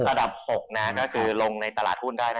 ระดับ๖ก็คือลงในตลาดหุ้นได้